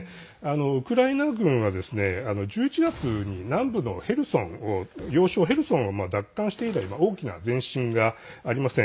ウクライナ軍は１１月に南部の要衝ヘルソンを奪還して以来大きな前進がありません。